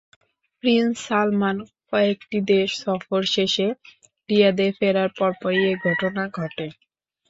Prince Salman কয়েকটি দেশ সফর শেষে রিয়াদে ফেরার পরপরই এ ঘটনা ঘটে।